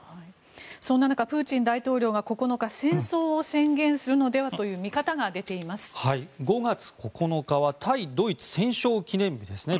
そんな中プーチン大統領が９日戦争を宣言するのではとの５月９日は対ドイツ戦勝記念日ですね